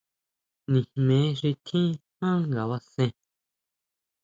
Nijme xi tjín jan ngabasen.